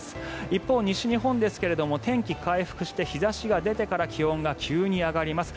一方、西日本ですが天気回復して日差しが出てから気温が急に上がります。